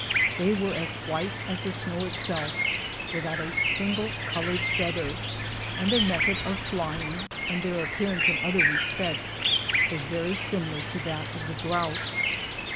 They were as white as the snow itself, without a single colored feather, and their method of flying, and their appearance in other respects, was very sirn ilar to that of the grouse.